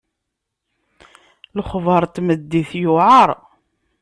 Lexbaṛ n tmeddit yewɛeṛ.